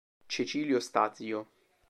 Cecilio Stazio.